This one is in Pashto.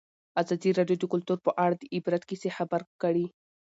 ازادي راډیو د کلتور په اړه د عبرت کیسې خبر کړي.